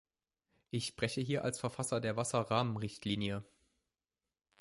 Ich spreche hier als Verfasser der Wasser-Rahmenrichtlinie.